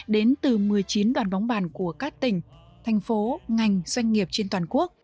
đến từ một mươi chín đoàn bóng bàn của các tỉnh thành phố ngành doanh nghiệp trên toàn quốc